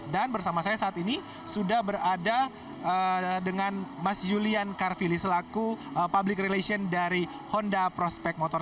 dan bersama saya saat ini sudah berada dengan mas julian karvili selaku public relation dari honda prospect motor